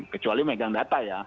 kecuali megang data ya